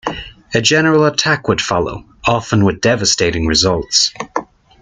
A general attack would follow, often with devastating results.